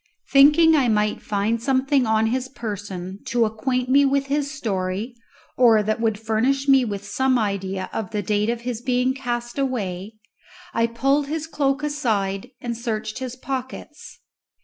Thinking I might find something on his person to acquaint me with his story or that would furnish me with some idea of the date of his being cast away, I pulled his cloak aside and searched his pockets.